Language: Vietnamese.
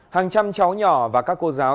hàng trăm cháu nhỏ và các cô giáo